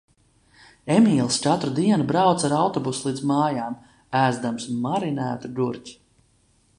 Emīls katru dienu brauca ar autobusu līdz mājām, ēzdams marinētu gurķi.